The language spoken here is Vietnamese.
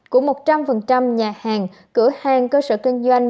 của một trăm linh nhà hàng cửa hàng cơ sở kinh doanh